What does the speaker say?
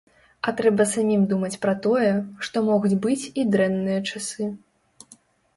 А трэба самім думаць пра тое, што могуць быць і дрэнныя часы.